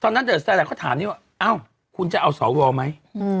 ตอนนั้นเครดิเตอร์สแตนดาร์เขาถามนี่ว่าอ้าวคุณจะเอาสวไหม